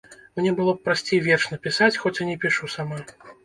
Мне было б прасцей верш напісаць, хоць і не пішу сама.